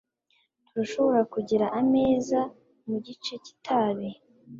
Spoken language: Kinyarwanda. Turashobora kugira ameza mugice cyitabi?